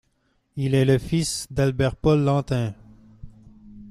Il est le fils d'Albert-Paul Lentin.